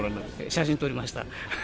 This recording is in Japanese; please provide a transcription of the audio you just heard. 写真撮りました。